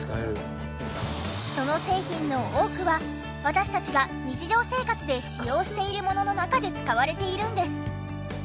その製品の多くは私たちが日常生活で使用しているものの中で使われているんです。